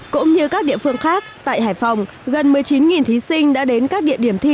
cũng như các địa phương khác tại hải phòng gần một mươi chín thí sinh đã đến các địa điểm thi